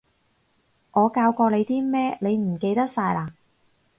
我教過你啲咩，你唔記得晒嘞？